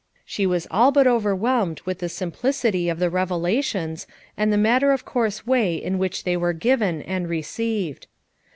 She was all but overwhelmed with the simplicity of the revelations and the matter of course way in which they were given and received.